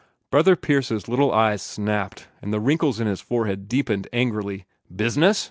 Brother Pierce's little eyes snapped, and the wrinkles in his forehead deepened angrily. "Business?"